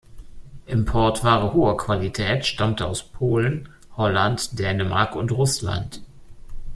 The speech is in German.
Importware hoher Qualität stammte aus Polen, Holland, Dänemark und Russland.